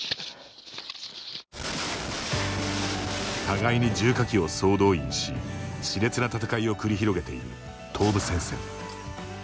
互いに重火器を総動員ししれつな戦いを繰り広げている東部戦線。